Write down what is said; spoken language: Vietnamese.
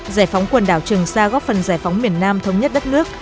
giải phóng quần đảo trường sa góp phần giải phóng miền nam thống nhất đất nước